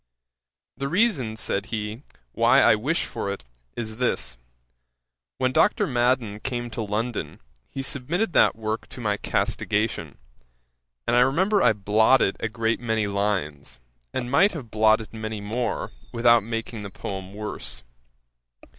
The reason (said he) why I wish for it, is this: when Dr. Madden came to London, he submitted that work to my castigation; and I remember I blotted a great many lines, and might have blotted many more, without making the poem worse.